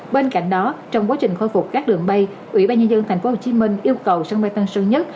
bên cạnh đó trong quá trình khôi phục các đường bay ủy ban nhân dân tp hcm yêu cầu sân bay tân sơn nhất